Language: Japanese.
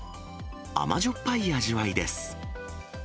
甘じょっぱい味わいです。